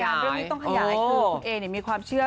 มารายการเรื่องนี้ต้องขยายคือคุณเอเนี่ยมีความเชื่อ